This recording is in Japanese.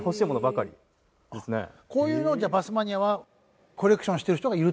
こういうのをじゃあバスマニアはコレクションしてる人がいるって事ね？